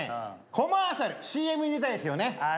コマーシャルＣＭに出たいですよねああ